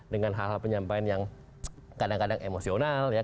dengan hal hal penyampaian yang kadang kadang emosional